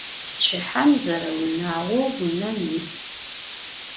Pçıhem zereunağou vunem yis.